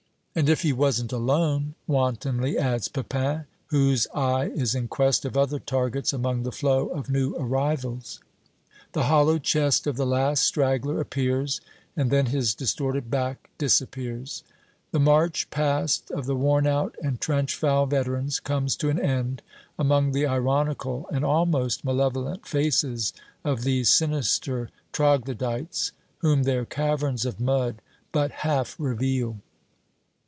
"And if he wasn't alone," wantonly adds Pepin, whose eye is in quest of other targets among the flow of new arrivals. The hollow chest of the last straggler appears, and then his distorted back disappears. The march past of the worn out and trench foul veterans comes to an end among the ironical and almost malevolent faces of these sinister troglodytes, whom their caverns of mud but half reveal.